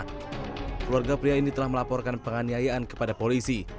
keluarga pria ini telah melaporkan penganiayaan kepada polisi